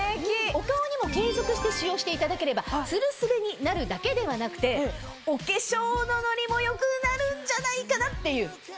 お顔にも継続して使用していただければツルスベになるだけではなくてお化粧のノリも良くなるんじゃないかなっていう。